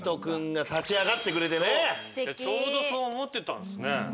でまたちょうどそう思ってたんですね。